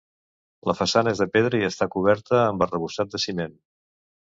La façana és de pedra i està coberta amb arrebossat de ciment.